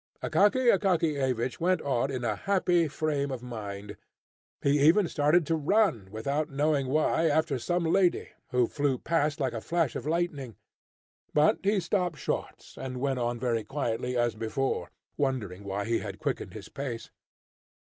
Akaky Akakiyevich went on in a happy frame of mind. He even started to run, without knowing why, after some lady, who flew past like a flash of lightning. But he stopped short, and went on very quietly as before, wondering why he had quickened his pace.